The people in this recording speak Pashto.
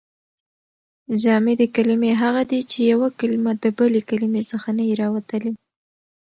جامدي کلیمې هغه دي، چي یوه کلیمه د بلي کلیمې څخه نه يي راوتلي.